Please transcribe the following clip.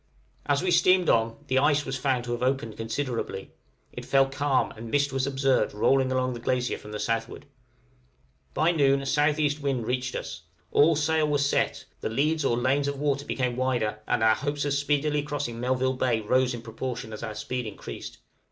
As we steamed on, the ice was found to have opened considerably; it fell calm, and mist was observed rolling along the glacier from the southward. By noon a S.E. wind reached us; all sail was set, the leads or lanes of water became wider, and our hopes of speedily crossing Melville Bay rose in proportion as our speed increased.